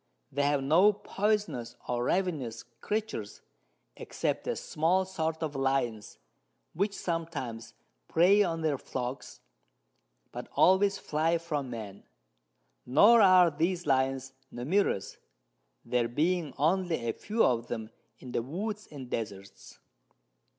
They have no poysonous or ravenous Creatures, except a small sort of Lions, which sometimes prey on their Flocks, but always fly from Men; nor are these Lions numerous, there being only a few of them in the Woods and Desarts.